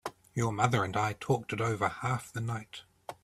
Your mother and I talked it over half the night.